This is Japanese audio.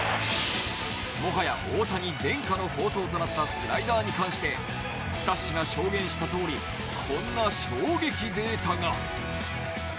もはや、大谷伝家の宝刀となったスライダーに関してスタッシが証言したとおりこんな衝撃データが。